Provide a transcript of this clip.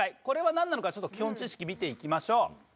これはなんなのかちょっと基本知識見ていきましょう。